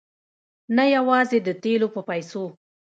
نه یوازې د تېلو په پیسو.